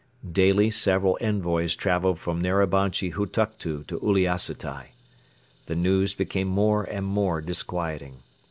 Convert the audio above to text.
Daily several envoys traveled from Narabanchi Hutuktu to Uliassutai. The news became more and more disquieting.